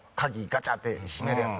ガチャって閉めるやつ。